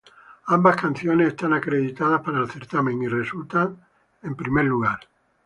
Ambas canciones son acreditadas para el certamen y resultan en primer lugar.